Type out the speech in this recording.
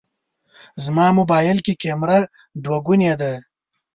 زما موبایل کې کمېره دوهګونې ده.